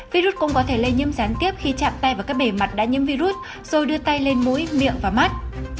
virus cũng có thể lây nhiễm gián tiếp khi chạm tay vào các bề mặt đã nhiễm virus rồi đưa tay lên mũi miệng và mắt